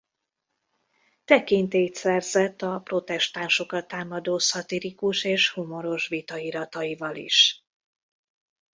Tekintélyt szerzett a protestánsokat támadó szatirikus és humoros vitairataival is.